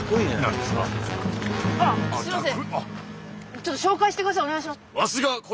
すいません。